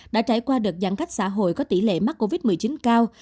đã trải qua đợt giãn cách xã hội có tỷ lệ mắc covid một mươi chín cao